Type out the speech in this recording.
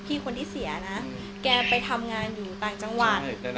คนที่เสียนะแกไปทำงานอยู่ต่างจังหวัด